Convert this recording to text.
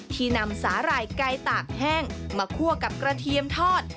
ที่นำสาหร่ายไก่ตากแห้งมาคั่วกับกระเทียมทอด